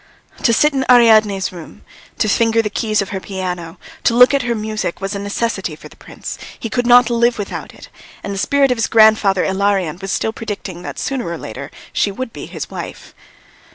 To sit in Ariadne's room, to finger the keys of her piano, to look at her music was a necessity for the prince he could not live without it; and the spirit of his grandfather Ilarion was still predicting that sooner or later she would be his wife.